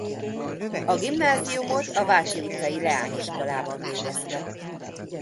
A gimnáziumot a Váci utcai leányiskolában végezte.